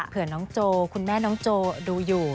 เพื่อน้องโจคุณแม่น้องโจดูอยู่